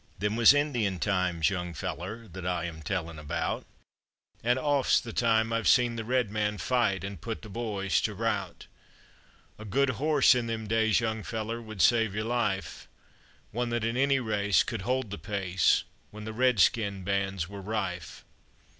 Them was Indian times, young feller, that I am telling about; An' oft's the time I've seen the red man fight an' put the boys to rout. A good horse in them days, young feller, would save your life, One that in any race could hold the pace when the red skin bands were rife.